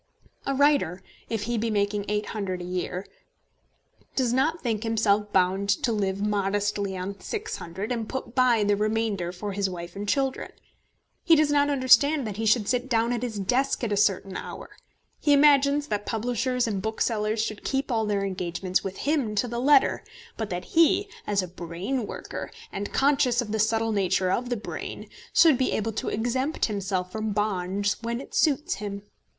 A writer, if he be making £800 a year, does not think himself bound to live modestly on £600, and put by the remainder for his wife and children. He does not understand that he should sit down at his desk at a certain hour. He imagines that publishers and booksellers should keep all their engagements with him to the letter; but that he, as a brain worker, and conscious of the subtle nature of the brain, should be able to exempt himself from bonds when it suits him.